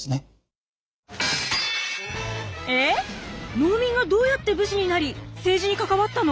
農民がどうやって武士になり政治にかかわったの？